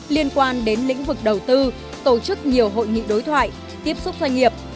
liên quan đến lĩnh vực đầu tư tổ chức nhiều hội nghị đối thoại tiếp xúc doanh nghiệp